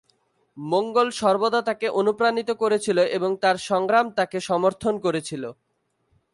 মঙ্গল সর্বদা তাকে অনুপ্রাণিত করেছিল এবং তার সংগ্রামে তাকে সমর্থন করেছিল।